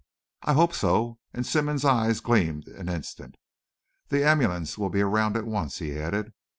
"I hope so," and Simmonds's eyes gleamed an instant. "The ambulance will be around at once," he added.